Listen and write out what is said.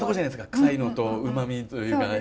クサいのとうまみというかね。